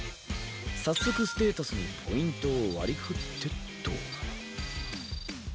早速ステータスにポイントを割り振ってっと。